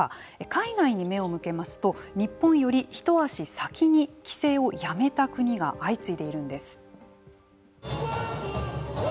海外に目を向けますと日本より一足先に規制をやめた国が相次いでいるんです。